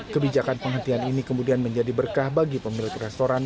kebijakan penghentian ini kemudian menjadi berkah bagi pemilik restoran